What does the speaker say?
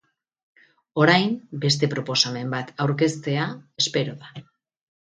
Orain, beste proposamen bat aurkeztea espero da.